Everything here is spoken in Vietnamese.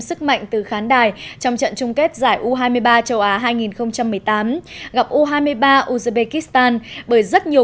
sức mạnh từ khán đài trong trận chung kết giải u hai mươi ba châu á hai nghìn một mươi tám gặp u hai mươi ba uzbekistan bởi rất nhiều